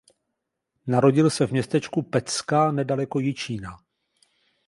Narodil se v městečku Pecka nedaleko Jičína.